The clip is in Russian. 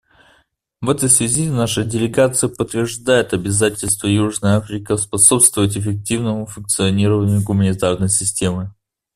В этой связи наша делегация подтверждает обязательство Южной Африки способствовать эффективному функционированию гуманитарной системы.